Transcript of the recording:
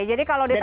jadi kalau ditanya